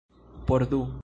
Por du.